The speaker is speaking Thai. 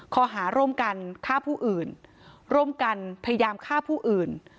ข้อหาร่วมกันฆ่าผู้อื่นร่วมกันพยายามฆ่าผู้อื่น